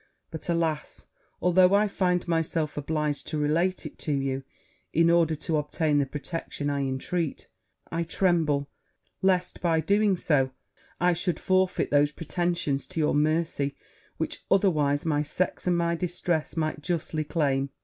but, alas! though I find myself obliged to relate it to you, in order to obtain the protection I intreat, I tremble lest, by doing so, I should forfeit those pretensions to your mercy, which otherwise my sex, and my distress, might justly claim.'